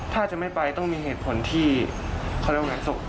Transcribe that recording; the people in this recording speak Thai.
ถ้าจะไม่ไปต้องมีเหตุผลที่เขาเรียกว่างานสุข